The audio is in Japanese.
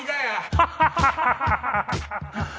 ハハハハハ！